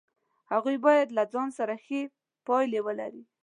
هغوی باید له ځان سره ښې پایلې ولري.